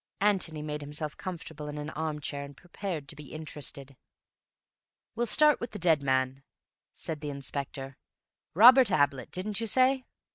Antony made himself comfortable in an armchair and prepared to be interested. "We'll start with the dead man," said the Inspector. "Robert Ablett, didn't you say?"